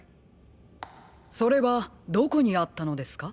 それはどこにあったのですか？